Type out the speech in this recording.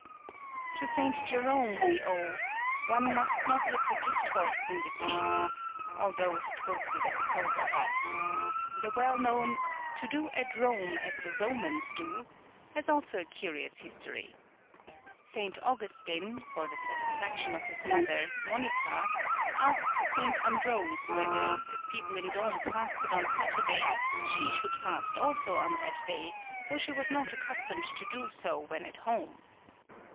To St. Jerome we owe " One must not look a gift horse in the teeth," though he quotes it as a proverb. The well known "To do at Rome as the Romans do " has also a curious history. St. Augustine, for the satisfaction of his mother, Monica, asked St. Ambrose whether, as people in Rome fasted on Saturday, she should fast also on that day, though she was not accus tomed to do so when at home.